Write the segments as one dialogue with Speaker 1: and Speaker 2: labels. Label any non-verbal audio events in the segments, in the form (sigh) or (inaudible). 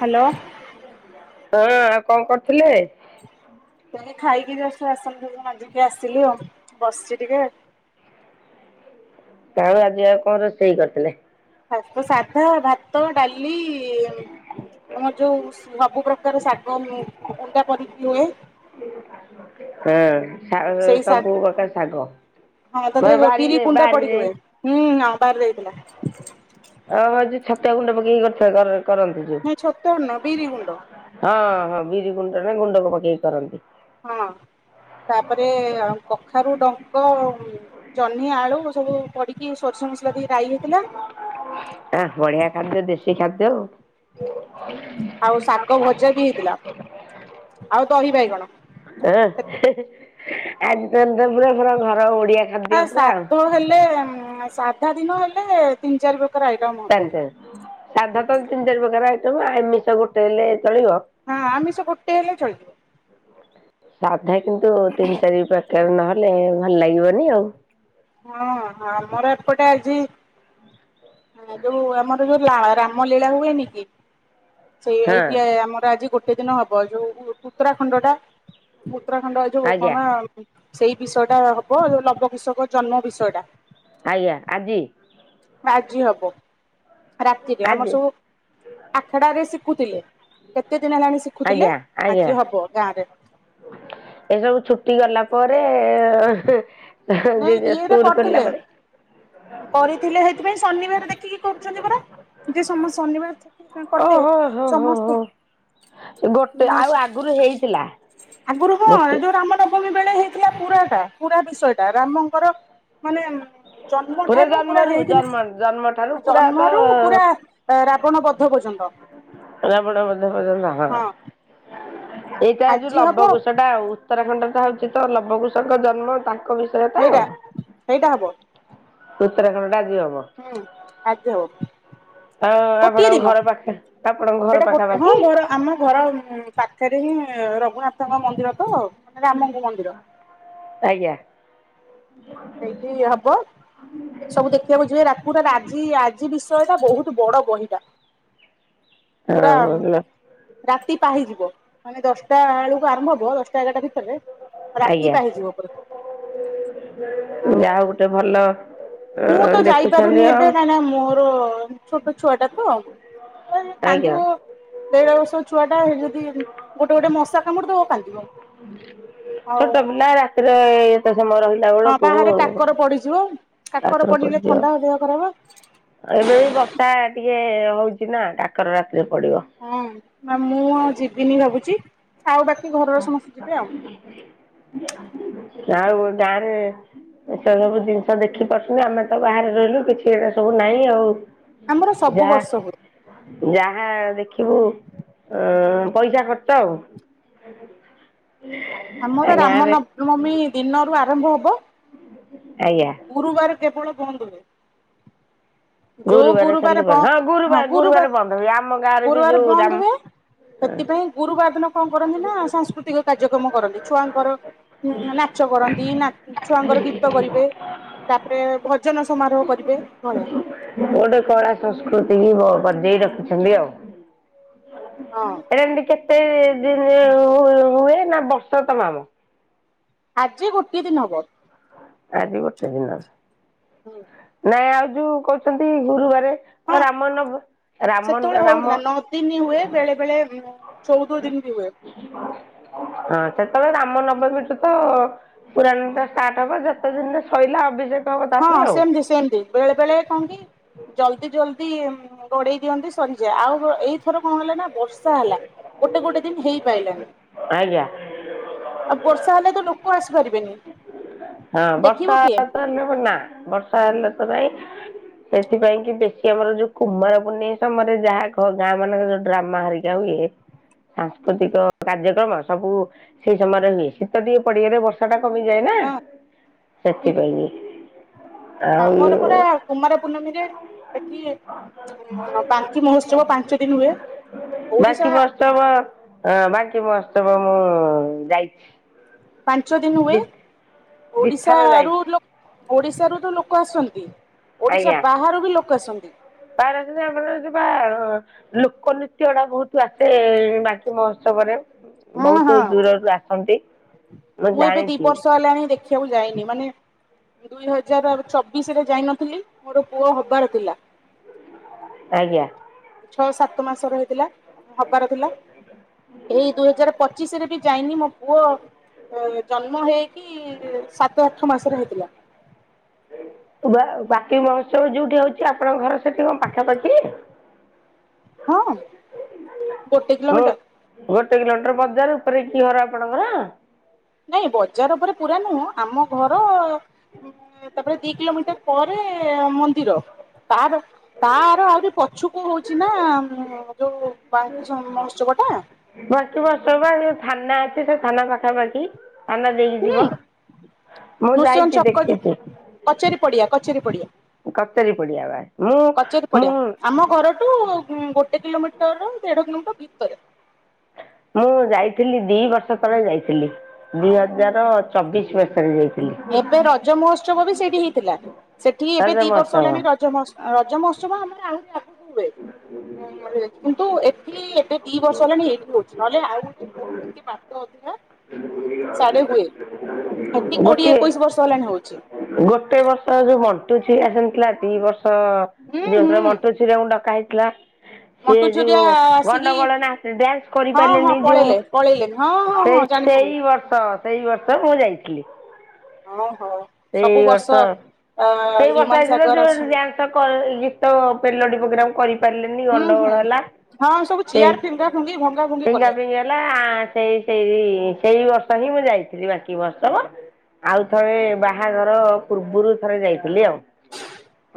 Speaker 1: Hello
Speaker 2: ହଁ ଆଉ କଣ କରୁଥିଲେ?
Speaker 1: ସିଆଡେ ଖାଇକି ଯଷ୍ଟ ବାସନତକ ମାଜିକ ଆସିଲି ଆଉ ବସିଛି ଟିକେ
Speaker 2: ତାଙ୍କର ଆଜି ଆଉ କଣ ରୋଷେଇ କରିଥିଲେ?
Speaker 1: ତ ସାଧା ଭାତ ଡାଲି ଆମର ଯୋଉ ସବୁ ପ୍ରକାର ଶାଗ ଗୁଣ୍ଡା କରିକି ହୁଏ।
Speaker 2: ହଁ
Speaker 1: ସେଇ ଶାଗ
Speaker 2: ସବୁ ପ୍ରକାର ଶାଗ।
Speaker 1: ହଁ ତାପରେ ବିରି
Speaker 2: ବାରିରେ
Speaker 1: ଗୁଣ୍ଡ ପଡିକି
Speaker 2: ବାରିରେ
Speaker 1: ହୁଏ ହୁଁ ବାରିରେ ହେଇଥିଲା।
Speaker 2: ଆଉ ଆଜି ଛତୁଆ ଗୁଣ୍ଡ ପକେଇକି (inaudible) କରିଥିବା ଘରେ
Speaker 1: ନାଇଁ ଛତୁଆ ଗୁଣ୍ଡ ନୁହଁ ବିରି ଗୁଣ୍ଡ।
Speaker 2: ହଁ ହଁ ବିରି ଗୁଣ୍ଡ ନା ଗୁଣ୍ଡକୁ ପକେଇକି କରନ୍ତି।
Speaker 1: ହଁ ତାପରେ କଖାରୁ ଡଙ୍କ ଜହ୍ନି ଆଳୁ ସବୁ ପଡିକି ସୋରିଷ ମସଲା ଦେଇ ରାଇ ହେଇଥିଲା।
Speaker 2: ଆ ବଢିଆ ଖାଦ୍ୟ ଦେଶୀ ଖାଦ୍ୟ ଆଉ।
Speaker 1: ଆଉ ଶାକ ଭଜା ବି ହେଇଥିଲା ଆଉ ଦହି ବାଇଗଣ।
Speaker 2: ହେ
Speaker 1: ସେତିକି।
Speaker 2: ହେ ଆଜି ତମେ ତ ପୁରା ପୁରା ଘର ଓଡିଆ ଖାଦ୍ୟ
Speaker 1: ଆ
Speaker 2: ପୁରା ଆଉ।
Speaker 1: ସାଧ ହେଲେ ସାଧା ଦିନ ହେଲେ ତିନି ଚାରି ପ୍ର
Speaker 2: (inaudible) ସାଧା ତ ତିନି ଚାରି ପ୍ରକାର ଆଇଟମ୍ ଆମିଷ ଗୋଟେ ହେଲେ ଚଳିବ।
Speaker 1: ହଁ ଆମିଷ ଗୋଟେ ହେଲେ ଚଳିଜିବ।
Speaker 2: ସାଧା କିନ୍ତୁ ତିନି ଚାରି ପ୍ରକାର ନହେଲେ ଭଲ ଲାଗିବନି ଆଉ।
Speaker 1: ହଁ ଆମର ଏପଟେ ଆଜି ଯୋଉ ଆମର ଯୋଉ ହେଲା ରାମ ଲୀଳା ହୁଏନି କି ସେଇ
Speaker 2: ହଁ।
Speaker 1: ଏଇଠେ ଆମର ଆଜି ଗୋଟ ଗୋଟେ ଦିନ ହବ ଯୋଉ ଉତ୍ତରାଖଣ୍ଡ ଟା ଉତ୍ତରାଖଣ୍ଡ ଯୋଉ
Speaker 2: ଆଜ୍ଞା
Speaker 1: କଣ ସେଇ ବିଷୟ ଟା ହବ ଜଉ ଲବ କୃଷକ ଜନ୍ମ ବିଷୟ ଟା।
Speaker 2: ହାଇଆ ଆଜି?
Speaker 1: ଆଜି ହବ। ରାତିରେ ଆମର
Speaker 2: ଆଜି
Speaker 1: ସବୁ ଆଠଟାରେ ଶିଖୁଥିଲେ କେତେ ଦିନ ହେଲାଣିି ସି ଖୁଥିଲେ
Speaker 2: ଆଜ୍ଞା ଆଜ୍ଞା
Speaker 1: ଆଜି ହବ ଗାଁରେ।
Speaker 2: ଏସବୁ ଛୁଟି ଗଲା ପରେ ହେଁ
Speaker 1: ନାଇଁ
Speaker 2: ହେଁ
Speaker 1: ଇଏରେ
Speaker 2: ସ୍କୁଲ ଖୋଲିଲା
Speaker 1: କରିଥିଲେ
Speaker 2: ପରେ।
Speaker 1: କରିଥିଲେ ହେଇଥିପାଇଁ ଶନିିବାର ଦେଖିକି କରୁଛନ୍ତି ପରା। ଯେ ସମସ୍ତେ ଶନିବାର (inaudible) କଲେ
Speaker 2: ଓହୋ ହୋ ହୋ ହୋ
Speaker 1: ସମସ୍ତେ
Speaker 2: ଗୋଟେ ଆଉ ଆଗରୁ ହେଇ
Speaker 1: ଆଗରୁ ହଁ ଯୋଉ ରାମ ନବମୀ ବେଳେ ହେଇଥିଲା ପୁରାଟା ପୁରା ବିଷୟଟା ରାମଙ୍କର ମାନେ ଜନ୍ମ ଠାରୁ ପୁରା
Speaker 2: ଜନ୍ମରୁ ଜନ୍ମ ଜନ୍ମ ଠାରୁ
Speaker 1: ହେଇଥିଲା
Speaker 2: ପୁରା ତ
Speaker 1: ଜନ୍ମରୁ ପୁରା ରାବଣ ବଦ୍ଧ ପର୍ଯ୍ୟନ୍ତ।
Speaker 2: ରାବଣ ବଦ୍ଧ ପର୍ଯ୍ୟନ୍ତ
Speaker 1: ହଁ
Speaker 2: ହଁ। ଏଇଟା ଯୋଉ
Speaker 1: ଆଜି ହବ
Speaker 2: ଲବ କୁଶ ଟା ଆଉ ଉତ୍ତରାଖଣ୍ଡ ତ ହଉଛି ତ ଲବ କୃଷଙ୍କ ଜନ୍ମ ତାଙ୍କ ବିଷୟରେ ତ।
Speaker 1: ହେଇଟା ହବ।
Speaker 2: ଉତ୍ତରାଖଣ୍ଡ ଟା ଆଜି ହବ।
Speaker 1: ହୁଁ ଆଜି ହବ।
Speaker 2: ହଁ
Speaker 1: ଗୋଟିଏ
Speaker 2: ଆପଣଙ୍କ
Speaker 1: ଦିନ।
Speaker 2: ଘର ପାଖରେ।
Speaker 1: ସେଇଟା ଗୋଟେ ହଁ ଘର ଆମ ଘର ଉଁ ପାଖରେ ହିଁ ରଘୁନାଥ ତ ମନ୍ଦିର ତ ରାମଙ୍କ ମନ୍ଦିର।
Speaker 2: ଆଜ୍ଞା।
Speaker 1: ହେଇଠି ହବ। ସବୁ ଦେଖିବାକୁ ଯିବେ ରାକୁଟା ଆଜି ଆଜି ବିଷୟଟା ବହୁତ ବଡ ବହିଟା।
Speaker 2: (inaudible)
Speaker 1: ପୁରା ମ୍
Speaker 2: ହଁ
Speaker 1: ରାତି ପାହିଯିବ ମାନେ ଦଶଟା ବେଳକୁ ଆରମ୍ଭ ହବ ଦଶଟା ଏଗାରଟା ଭିତରେ ରାତି
Speaker 2: ଆଜ୍ଞା
Speaker 1: ପାହିଯିବ (inaudible) ଆଉ
Speaker 2: ଯାହା ହଉ ଗୋଟେ ଭଲ
Speaker 1: ମୁଁ ତ
Speaker 2: ଦେଖୁଛନ୍ତି
Speaker 1: ଯାଇପାରୁନି
Speaker 2: ଆଉ
Speaker 1: ଏବେ କାହିଁକି ନା ମୋର ଛୋଟ ଛୁଆଟା ତ। ଛୁଆ ଯଦି
Speaker 2: ଆଜ୍ଞା
Speaker 1: କାନ୍ଦିିବ ଦେଢ ବର୍ଷ ଛୁଆ ଟା ହେଇଠେ ଯଦି ଗୋଟେ ଗୋଟେ ମଶା କାମୁଡି ଦବ କାନ୍ଦିବ। ଆଉ
Speaker 2: ଛୋଟ ନାଁ ରାତିରେ ଏତେ ସମୟ ରହି
Speaker 1: ହଁ ବାହାରେ କାକର ପଡିଯିବ କାକର ପଡିଲେ ଥଣ୍ଡା ହ ଦେହ ଖରାବ।
Speaker 2: ଏବେ ବି ବର୍ଷା ଟିକେ ହଉଚି ନା କାକର ରାତିରେ ପଡିବ।
Speaker 1: ହଁ ନା ମୁଁ ଆଉ ଯିବିନି ଭାବୁଚି। ଆଉ ବାକି ଘରର ସମସ୍ତେ ଯିବେ ଆଉ।
Speaker 2: (inaudible) ଏସବୁ ଜିନିଷ ଦେଖି ପାରୁଛନ୍ତି ଆମେ ତ ବାହାରେ ରହିଲୁ କିଛି ଏଟା ସବୁ ନହିଁ ଆଉ।
Speaker 1: ଆମର ସବୁ
Speaker 2: ଯାହା
Speaker 1: ବର୍ଷ ହୁଏ।
Speaker 2: ଯାହା ଦେଖିବୁ ଅ ପଇସା ଖର୍ଚ୍ଚ ଆଉ। (inaudible)
Speaker 1: ଆମର ରାମ
Speaker 2: ଗାଁରେ
Speaker 1: ନବ ମୀ ଦିନରୁ ଆରମ୍ଭ ହବ।
Speaker 2: ଆଜ୍ଞା
Speaker 1: ଗୁରୁବାରେ କେବଳ ବନ୍ଦ ହୁଏ। ଯୋଉ
Speaker 2: ଖାଲି
Speaker 1: ଗୁରୁବାର ବ
Speaker 2: ବନ୍ଦ
Speaker 1: ହଁ ଗୁରୁବାର
Speaker 2: ବନ୍ଦ ହୁଏ ଆମ ଗାଁରେ ବି
Speaker 1: ଗୁରୁବାର
Speaker 2: ଯୋଉ ରାମ
Speaker 1: ବନ୍ଦ ହୁଏ। ସେଥିପାଇଁ ଗୁରୁବାର ଦିନ କଣ କରନ୍ତି ନା ସାଂସ୍କୃତିକ କାର୍ଯ୍ୟକ୍ରମ କରନ୍ତି ଛୁଆଙ୍କର। ହୁଁ ନାଚ କରନ୍ତି ନା ଛୁଆଙ୍କର ଗୀତ କରିବେ। ତାପରେ ଭୋଜନ ସମାରୋହ କରିବେ ଏଭଳିଆ।
Speaker 2: ଗୋଟେ କଳା ସଂସ୍କୃତି ହ ବଜେଇ ରଖିଛନ୍ତି ଆଉ।
Speaker 1: ହଁ
Speaker 2: ଏରା ଏମତି କେତେ ଦିନ ହୁଏ ନା ବର୍ଷ ତମାମ।
Speaker 1: ଆଜି ଗୋଟିଏ ଦିନ ହବ।
Speaker 2: ଆଜି ଗୋଟେ ଦିନ।
Speaker 1: ହୁଁ।
Speaker 2: ନାଇଁ ଆଉ ଯୋଉ କହୁଛନ୍ତି ଗୁରୁବାରରେ
Speaker 1: ହଁ
Speaker 2: ରାମ ନ
Speaker 1: ସେତେବେଳେ ହଉନ ନଦିନି ହୁଏ ବେଳେ ବେଳେ ଚଉଦ ଦିନ ବି ହୁଏ।
Speaker 2: (inaudible) ହଁ ସେତେବେଳେ ରାମ ନବମୀଠୁ ତ ପୁରାଣ ଟା ଷ୍ଟାର୍ଟ ହବ ଯ ସେ ଦିନ ଶଇଲା ଅଭି
Speaker 1: ହଁ ସେମତି ସେମତି ବେଳେ ବେଳେ କଣ କି? ଜଲଦି ଜଲ୍ଦି ଗୋଡେଇ ଦିଅନ୍ତି ସରିଯାଏ ଆଉ ଏଇଥର କଣ ହେଲେ ନାଁ ବର୍ଷା ହେଲା ଗୋଟେ ଗୋଟେ ଦିନ ହେଇପାରଲାନି।
Speaker 2: ଆଜ୍ଞା
Speaker 1: ଆଉ ବର୍ଷା ହେଲେ ତ ଲୋକ ଆସିପାରିବେନି।
Speaker 2: ହଁ ବର୍ଷା
Speaker 1: ଦେଖିବ କିଏ?
Speaker 2: ତ ହେଲେ ବ ନା ବର୍ଷା ହେଲେ ତ ନାଇଁ। ସେଥିପାଇଁ କି ବେଶୀ ଆମର ଯୋଉ କୁମାର ପୁନି ସମୟରେ ଯାହା ଗାଁ ମାନଙ୍କର ଯୋଉଡାମ୍ ବାରିକା ହୁଏ ସାଂସ୍କୃତିକ
Speaker 1: ହୁଁ
Speaker 2: କାର୍ଯ୍ୟକ୍ରମ ସବୁ ସେଇ ସମୟରେ ହୁଏ ଶୀତ ଟଏ ପଡିଆରେ ବର୍ଷ ଥଣ୍ଡା କମିଯାଏ ନାଁ
Speaker 1: ହଁ ହୁଁ
Speaker 2: ସେଥିପାଇଁ। ଆଉ
Speaker 1: ଆମର ପୁରା କୁମାର ପୂର୍ଣ୍ମୀ ରେ ଏଠି ଉ ପାନ୍ତି ମହୋତ୍ସବ ପାଞ୍ଚ ଦିନ ହୁଏ। ଓଡିଶା
Speaker 2: ବାକି ମତ୍ସବ ହଁ ବାକି ମତ୍ସବ ମୁଁ ଯାଇଛି।
Speaker 1: ପାଞ୍ଚ ଦିନି ହୁଏ
Speaker 2: ଦି ଦିଥର
Speaker 1: ଓଡ଼ିଶାରୁ
Speaker 2: ଯାଇଛି
Speaker 1: ଲୋ ଓଡିଶାରୁ ତ ଲୋକ ଆସନ୍ତି ଓଡିଶା ବାହାରୁ ବି ଲୋକ ଆସନ୍ତି।
Speaker 2: ପାରସମଣ ଅଡରରେ ଯିବା ଲୋକ ନୃତ୍ୟ ଟା ବହୁତ ଆସେ ବାକି ମହୋତ୍ସବରେ।
Speaker 1: ହଁ
Speaker 2: ବହୁତୁ
Speaker 1: ହଁ
Speaker 2: ଦୂରରୁ ଆସନ୍ତି।
Speaker 1: ମୁଁ ଏବେ ଦି ବର୍ଷ ହେଲାଣି ଦେଖିବାକୁ ଯାଇନି ମାନେ ଦୁଇ ହଜାର ଚବିଶ ରେ ଯାଇନଥିଲି ମୋର ପୁଅ ହବାର ଥିଲା।
Speaker 2: ଆଜ୍ଞା
Speaker 1: ଛଅ ସାତ ମାସର ହେଇଥିଲା ହବାର ଥିଲା ଏଇ ଦୁଇ ହଜାର ପଚିଶ ରେ ବି ଯାଇନି ମୋ ପୁଅ ଜନ୍ମ ହେଇକି ସାତ ଆଠ ମାସରେ ହେଇଥିଲା।
Speaker 2: ବାକି ମହୋତ୍ସବ ଯୋଉଠି ହଉଚି ଆପଣଙ୍କ ଘର ସେଠି କଣ ପାଖାପାଖି।
Speaker 1: ହଁ ଗୋଟେ
Speaker 2: ମୁଁ
Speaker 1: କିଲୋମିଟର।
Speaker 2: ଗୋଟେ କିଲୋମିଟର ବଜାର ଉପରେ କି ଘର ଆପଣଙ୍କର।
Speaker 1: ନାଇଁ ବଜାର ଉପରେ ପୁରା ନୁହଁ ଆମ ଘର ତାପରେ ଦି କିଲୋମିଟର ପରେ ମନ୍ଦିର ତାର ତାର ଆହୁରି ପଛୁକୁ ହଉଛି ନାଁ ଯୋଉ ବାଙ୍କି ମହୋତ୍ସବ ଟା
Speaker 2: ବସି ବସ ବା ଯୋଉ ଥାନା ଅଛି ସେ ଥାନା ପାଖାପାଖି ଆ ନାଁ ଦେଇକି
Speaker 1: ହୁଁ
Speaker 2: ଯିବ ମୁଁ
Speaker 1: ନୃସିଂହ
Speaker 2: ଯାଇଛି
Speaker 1: ଛକ ଯୋଉ
Speaker 2: ଦେଖିଛି।
Speaker 1: କଚେରୀ ପଡିଆ କଚେରୀ ପଡିଆ।
Speaker 2: କଚେରୀ ପଡିଆ ବା ମୁଁ
Speaker 1: କଚେରୀ
Speaker 2: ମୁଁ
Speaker 1: ପଡିଆ ଆମ ଘରଠୁ ଗୋଟେ କିଲୋମିଟର ଦେଢ଼ କିଲୋମିଟର ଭିତରେ।
Speaker 2: ମୁଁ ଯାଇଥିଲି ଦି ବର୍ଷ ତଳେ ଯାଇଥିଲି ଦିଇ ହଜାର ଚବିଶ ବର୍ଷରେ ଯାଇଥିଲି।
Speaker 1: ଏବେ ରଜ ମହୋତ୍ସବ ବି ସେଇଠି ହେଇଥିଲା ସେଠି ଏବେ
Speaker 2: ରଜ
Speaker 1: ଦି ବର୍ଷ
Speaker 2: ମହୋତ୍ସବ
Speaker 1: ହେଲାଣି ରଜ ମହୋତ୍ସବ ରଜ ମହୋତ୍ସବ ଆମେ ଆହୁରି ଆଗକୁ (unintelligible) କିନ୍ତୁ ଏଠି ଏବେ ଦି ବର୍ଷ ହେଲାଣି ଏଇଠି ହଉଛି ନହେଲେ ଆଉ ଗୋଟେ
Speaker 2: ହଉ
Speaker 1: କଁ ହଉଥିଲା ସାଡେ ହୁଏ ଏଠି କୋଡିଏ
Speaker 2: ଗୋଟିଏ
Speaker 1: ଏକୋଇଶି ବର୍ଷ ହେଲାଣି ହଉଛି।
Speaker 2: ଗୋଟେ ବର୍ଷ ଯୋଉ ମଣ୍ଟୁ ଚି ଆସିନଥିଲା ଦି ବର୍ଷ
Speaker 1: ହୁଁ
Speaker 2: ତିନି ବର୍ଷରେ
Speaker 1: ହୁଁ
Speaker 2: ମଣ୍ଟୁ ଛୁରିଆକୁ କୁ ଡକା ହେଇଥିଲା। ସେ
Speaker 1: ମଣ୍ଟୁ ଝୁରିଆ
Speaker 2: ଯୋଉ
Speaker 1: ଆସିକି
Speaker 2: ଗଣ୍ଡଗୋଳ ନା ଡ୍ୟାନ୍ସ
Speaker 1: ହଁ ହଁ
Speaker 2: କରିପାରିଲେନି ଯୋଉ
Speaker 1: ପଳେଇଲେ ପଳେଇଲେ ହଁ ହଁ
Speaker 2: ସେ
Speaker 1: ହଁ ଜାଣିଥିଲୁ
Speaker 2: ସେଇ ବର୍ଷ ସେଇ ବର୍ଷ ମୁଁ ଯାଇଥିଲି।
Speaker 1: ହଁ ହଉ ସବୁ ବର୍ଷ ଏଁ
Speaker 2: ସେଇ ବର୍ଷ
Speaker 1: ହ୍ୟୁମାନ
Speaker 2: ଯାଇଥିଲେ
Speaker 1: ସାଗର
Speaker 2: ଯୋଉ
Speaker 1: ଆସୁ
Speaker 2: (unintelligible) ଗୀତ ପେଲୋଡ଼ି ପୋଗ୍ରାମ କରି ପାରିଲେନି
Speaker 1: ହୁଁ
Speaker 2: ଗଣ୍ଡଗୋଳ
Speaker 1: ହୁଁ
Speaker 2: ହେଲା
Speaker 1: ହଁ ସବୁ
Speaker 2: ସେ
Speaker 1: ଚେୟାର ଫିଙ୍ଗା ଫୁଙ୍ଗି ଭଙ୍ଗା ଭୁଙ୍ଗି
Speaker 2: ତିନି
Speaker 1: କଲେ
Speaker 2: ଚାରି ଦିନ ଯାଏଁ। ହେଲା ସେଇ ସେଇ ସେଇ ବର୍ଷ ହିଁ ମୁଁ ଯାଇଥିଲି ବାକି ମହୋତ୍ସବ। ଆଉ ଥରେ ବାହାଘର ପୂର୍ବରୁ ଥରେ ଯାଇଥିଲି ଆଉ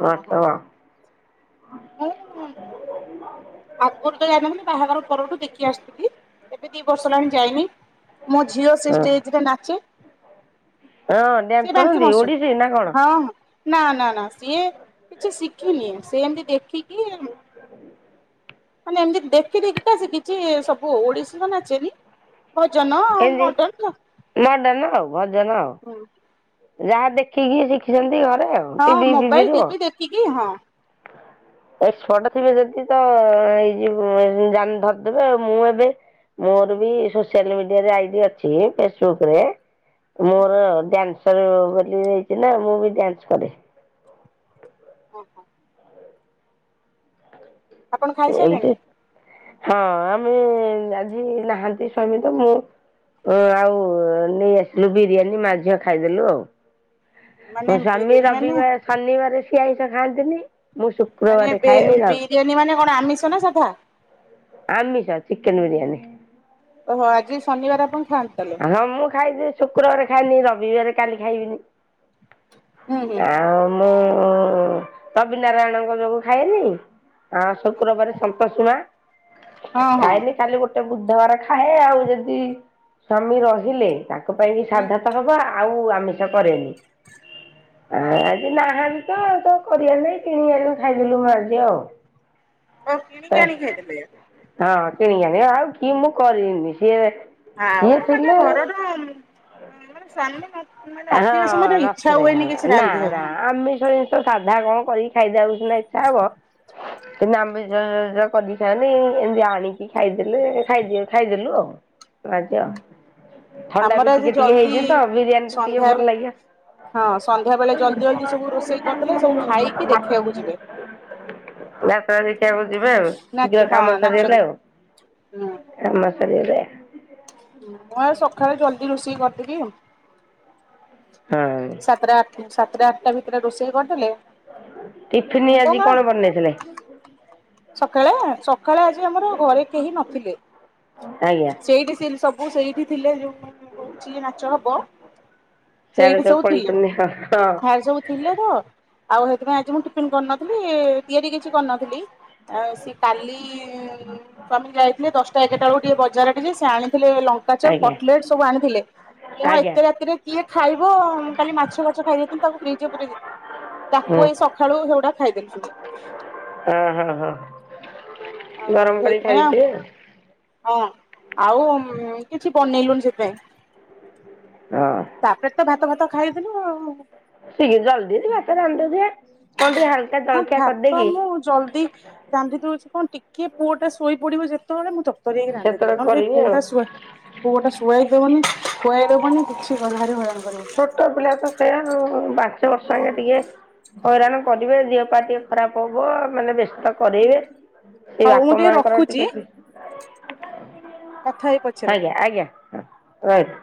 Speaker 1: ହଁ ହଁ। (unintelligible) ଆଗରୁ ତ ଯାଇନଥିଲି ବାହାଘର ପର ଠୁ ଦେଖି ଆସୁଥିଲି ଏବେ ଦି ବର୍ଷ ହେଲାଣି ଯାଇନି ମୋ ଝିଅ ସେ
Speaker 2: ହଁ
Speaker 1: ଆଜି କା ଟା ନାଚେ
Speaker 2: ହଁ ଡ୍ୟାନ୍ସ କରନ୍ତି ଓଡିଶୀ ନା କଣ
Speaker 1: (unintelligible) ହଁ। ନା ନା ନା ସିଏ କିଛି ଶିଖିନି ସେ ଏମିତି ଦେଖିକି ମାନେ ଏମିତି ଦେଖି ଦେଖିକା ଶିଖିଛି ସବୁ ଆଉ ଓଡିଶି ତ ନାଚେନୀ। ଭଜନ, ମଡର୍ନ ସବୁ।
Speaker 2: ମର୍ଡନ ଆଉ ଭଜନ ଆଉ।
Speaker 1: ହଁ।
Speaker 2: ଯାହା ଦେଖିକି ଶିଖିଛନ୍ତି ଘରେ ଆଉ।
Speaker 1: ହଁ
Speaker 2: ଟିଭି
Speaker 1: ମୋବାଇଲ
Speaker 2: ଫିଭିରୁ ଆଉ
Speaker 1: ଟିଭି ଦେଖିକି, ହଁ।
Speaker 2: (inaudible) ଏକ୍ସପଟ ଥିବେ ଯଦି ତ ଏଇ ଯୁ ଜାଣ ଧରିଦେବେ ଆଉ ମୁଁ ଏବେ ମୋର ବି ସୋସିଆଲ ମିଡିଆରେ ଆଇଡି ଅଛି ଫେସବୁକରେ। ମୋର ଡ୍ୟାନ୍ସର ବୋଲି ହେଇଛି ନା, ମୁଁ ବି ଡ୍ୟାନ୍ସ କରେ।
Speaker 1: ଓ ହଁ। ଆପଣ ଖାଇସାରିଲେଣି
Speaker 2: ଏମିତି, ହଁ ମୁଁ ଆଜି ନାହାନ୍ତି ସ୍ୱାମୀ ତ ମୁଁ ଅଁ ଆଉ ନେଇ ଆସିଲୁ ବିରିୟାନୀ ମା ଝିଅ ଖାଇଦେଲୁ ଆଉ।
Speaker 1: ମାନେ
Speaker 2: ମୋ ସ୍ଵାମୀ
Speaker 1: ବିରିୟାନୀ ମାନେ
Speaker 2: ରବିବାର, ଶନିବାର ସେ ଆଇଁଷ ଖାଆନ୍ତିନି ମୁଁ ଶୁ
Speaker 1: ମାନେ ଏବେ ଏମିତି ବିରିୟାନୀ ମାନେ କଣ ଆମିଷ ନା ସାଧା?
Speaker 2: ଆମିଷ ଚିକେନ ବିରିୟାନୀ।
Speaker 1: ଓହୋ ଆଜି ଶନିବାର ଆପଣ ଖାଆନ୍ତି ତାହେଲେ?
Speaker 2: ହଁ ମୁଁ ଖାଇଦିଏ ଶୁକ୍ରବାର ଖାଇନି ରବିବାରେ କାଲି ଖାଇବିନି
Speaker 1: ହୁଁ ହୁଁ
Speaker 2: ଆଉ ମୁଁ ରବିନାରାୟଣଙ୍କ ଯୋଗୁଁ ଖାଏନି। ଆଁ ଶୁକ୍ରବାରେ ସନ୍ତୋସି ମା
Speaker 1: ହଁ ହଁ
Speaker 2: ଖାଏନି, କାଲି ଗୋଟେ ବୁଧବାର ଖାଏ ଆଉ ଯଦି ସ୍ଵାମୀ ରହିଲେ ତାଙ୍କ ପାଇଁ କିି
Speaker 1: ହୁଁ।
Speaker 2: ସାଧା ତ ହବ। ଆ ଆଉ ଆମିଷ କରେନି, ଆ
Speaker 1: ହଁ ହଁ
Speaker 2: ଆଜି ନାହାନ୍ତି। ତ ତ କରିବାରନାଇଁ କିଣିକି ଆଣିଲୁ ଖାଇଦେଲୁ ମା ଝିଅ ଆଉ।
Speaker 1: ଓ କିଣିକି ଆଣି ଖାଇଦେଲେ?
Speaker 2: ହଁ କିଣି ଆଣି ଆଉ କି ମୁଁ କରିବିନି, ସିଏ ସିଏ
Speaker 1: ଆଉ ମାନେ
Speaker 2: ଥିଲେ
Speaker 1: ଘରର ମାନେ ସ୍ୱାମୀ ନଥିଲେ
Speaker 2: ହଁ ନଥିଲେ ନା ନା
Speaker 1: ରାନ୍ଧିବାକୁ
Speaker 2: ଆମିଷ ଜିନିଷ। ତ ସାଧା କଣ କରିକି ଖାଇଦବାକୁ ସିନା ଇଚ୍ଛା ହବ କିନ୍ତୁ ଆମିଷ ଷ କରିକି ଖାଆନି ଏମିତି ଆଣି କି ଖାଇଦେଲେ ଖାଇଦିଅ ଖାଇଦେଲୁ ଆଉ, ମା ଝୁଅ। ଥଣ୍ଡା
Speaker 1: ଆମର
Speaker 2: ବି
Speaker 1: ଆଜି
Speaker 2: ଟିକେ ଟିକେ
Speaker 1: ଜଲଦି
Speaker 2: ହେଇଛିି ତ ବିରିୟାନୀଟା ଟିକେ
Speaker 1: ସନ୍ଧ୍ୟା
Speaker 2: ଭଲ ଲାଗିବ।
Speaker 1: ହଁ ସନ୍ଧ୍ୟା ବେଳେ ଜଲଦି ଜଲଦି ସବୁ ରୋଷେଇ କରିଦେଲେ ସବୁ ଖାଇକି ଦେଖିବାକୁ ଯିବେ।
Speaker 2: (unintelligible) ଯାତ୍ରା ଦେଖିବାକୁ ଯିବେ ଆଉ
Speaker 1: ନାଚ
Speaker 2: ଶୀଘ୍ର
Speaker 1: ହଁ
Speaker 2: କାମ
Speaker 1: ନାଚ ଦେ
Speaker 2: ସରିଗଲେ ଆଉ।
Speaker 1: ହୁଁ
Speaker 2: କାମ ସରିଗଲେ।
Speaker 1: ହୁଁ ମୁଁ ଆଉ ସକାଳେ ଜଲ୍ଦି ରୋଷେଇ କରିଦେବି ଆଉ।
Speaker 2: ହଁ।
Speaker 1: ସାତଟା ଆ ସାତଟା ଆଠଟା ଭିତରେ ରୋଷେଇ କରିଦେଲେ
Speaker 2: ଟିଫିନ ଆଜି କଣ ବନେଇଥିଲେ?
Speaker 1: ସକାଳେ ସକାଳେ ଆଜି ଆମର ଘରେ କେହି ନଥିଲେ।
Speaker 2: ଆଜ୍ଞା।
Speaker 1: ସେଇଠି ସେ ସବୁ ସେଇଠି ଥିଲେ ଯୋଉ ହଉଛି ନାଚ ହବ
Speaker 2: ସିଆଡେ ସବୁ ପଳେଇଛନ୍ତି, ହଁ ହଁ।
Speaker 1: କାଲି ସବୁ ଥିଲେ ତ ଆଉ ସେଥିପାଇଁ ଆଜି ମୁଁ ଟିଫିନ୍ କରିନଥିଲି ତିଆରି କିଛି କରିନଥିଲି। ଆଉ ସିଏ କାଲି ସ୍ୱାମୀ ଯାଇଥିଲେ ଦଶ ଶଟା ଏଗାରଟାକୁ ଟିକେ ବଜାର ଟିକେ ସେ ଆଣିଥିଲେ ଲଙ୍କ ଲଙ୍କାଚପ୍
Speaker 2: ଆଜ୍ଞା
Speaker 1: କଟଲେଟ ସବୁ ଆଣିଥିଲେ ମୁଁ
Speaker 2: ଆଜ୍ଞା
Speaker 1: ଏତେ ରାତିରେ କିଏ ଖାଇବ ମୁଁ ମାଛ ଫାଛ ଖାଇ ଦେଇଥିଲୁ ତାକୁ ଫ୍ରିଜରେ ପୁରେଇଦେଇଥିଲି ତାକୁ ଏଇ ସକାଳୁ ସେଗୁଡା ଖାଇଦେଲୁ ସବୁ।
Speaker 2: ଅଁ ହଁ ହଁ।
Speaker 1: ଆଉ
Speaker 2: ଗରମ କରିକି
Speaker 1: ସେଇଥିପାଇଁ ଆ,
Speaker 2: ଖାଇଦେଇଥିବେ ଆଉ
Speaker 1: ହଁ ଆଉ କିଛି ବନେଇଲୁନି ସେଥିପାଇଁ।
Speaker 2: ହଁ।
Speaker 1: ତାପରେ ତ ଭାତ ଫାତ ଖାଇଦେଲୁ ଆଉ।
Speaker 2: ଠିକ୍ ଜଲଦି ଯଦି ଭାତ ରାନ୍ଧିଦେଇ ଥିବେ କଣ ଟିକେ ହାଲକା
Speaker 1: ହଁ
Speaker 2: ଜଳଖିଆ
Speaker 1: ଭାତ
Speaker 2: କରିଦେଇକିି
Speaker 1: ମୁଁ ଜଲ୍ଦି ରାନ୍ଧି ଦଉଛି କଣ ଟିକିଏ ପୁଅଟା ଶୋଇ ପଡିବ ଯେତେବେଳେ ମୁଁ ତ ତରିଆକି ରାନ୍ଧି ଦିଏ
Speaker 2: ସେତେବେଳେ
Speaker 1: ନହେଲେ ଏଇ
Speaker 2: କରିବି ଆଉ
Speaker 1: ପୁଅଟା ଶୁଆ ପୁଅଟା ଶୁଆଇଦେଉନି ଖୁଆଇଦବନି କିଛି କରିପାରି ଭାରି ହଇରାଣ କରିବ।
Speaker 2: ଛୋଟ ପିଲା ତ ସେଇୟା ଆଉ ପାଞ୍ଚ ବର୍ଷ ଏଇନେ ଟିକେ ହଇରାଣ କରିବେ ଦିଅ ପା ଟିଏ ଖରାପ ହବ ମାନେ ବେସ୍ତ କରେଇବେ। ଏଇ
Speaker 1: ହଉ ମୁଁ
Speaker 2: ବାପ ମାଙ୍କର
Speaker 1: ରଖୁଛି
Speaker 2: ଟିକେ ପି
Speaker 1: କଥା ହେଇ ପଛରେ।
Speaker 2: ଆଜ୍ଞା ଆଜ୍ଞା ହଁ ରହିଲି।